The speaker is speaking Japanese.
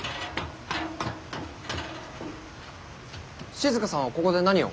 静さんはここで何を？